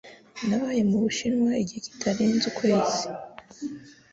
Nabaye mu Bushinwa igihe kitarenze ukwezi.